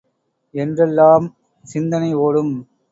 என்றெல்லாம் சிந்தனை ஒடும்!